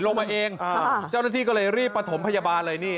ลงมาเองเจ้าหน้าที่ก็เลยรีบประถมพยาบาลเลยนี่